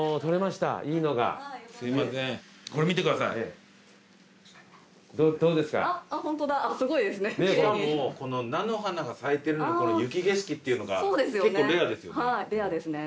しかも菜の花が咲いてるのに雪景色っていうのが結構レアですよね。